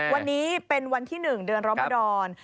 วันนี้เป็นวันที่๑เดือนรมดร